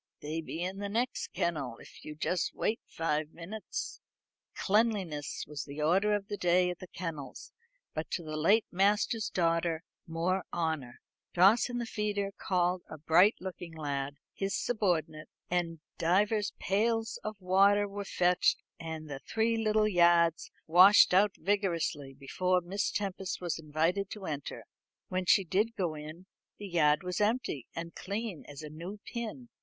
They be in the next kennel, if you'll just wait five minutes." Cleanliness was the order of the day at the kennels, but to do the late master's daughter more honour, Dawson the feeder called a bright looking lad, his subordinate, and divers pails of water were fetched, and the three little yards washed out vigorously before Miss Tempest was invited to enter. When she did go in, the yard was empty and clean as a new pin.